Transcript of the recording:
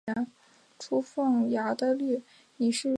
他在格拉夫洛特战役中帮助普军大败法国军队。